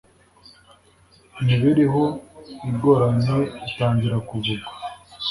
imibereho igoranye itangira kuva ubwo